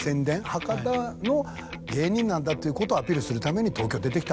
博多の芸人なんだっていうことをアピールするために。